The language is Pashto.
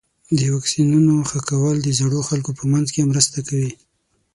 د واکسینونو ښه کول د زړو خلکو په منځ کې مرسته کوي.